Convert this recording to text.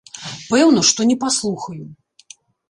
Пэўна, што не паслухаю.